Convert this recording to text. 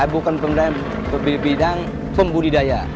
bukan di bidang pembudidaya